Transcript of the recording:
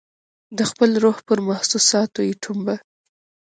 د خپل روح پر محسوساتو یې ټومبه